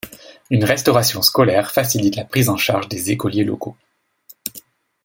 Une restauration scolaire facilite la prise en charge des écoliers locaux.